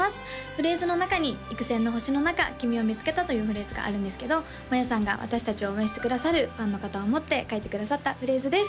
フレーズの中に「幾千の星の中君を見つけた」というフレーズがあるんですけど真夜さんが私達を応援してくださるファンの方を思って書いてくださったフレーズです